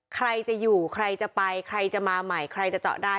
ใครจะอยู่ใครจะไปใครจะมาใหม่ใครจะเจาะได้